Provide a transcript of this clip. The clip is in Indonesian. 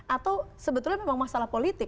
atau sebetulnya memang masalah politik